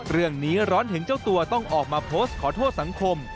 ร้อนถึงเจ้าตัวต้องออกมาโพสต์ขอโทษสังคม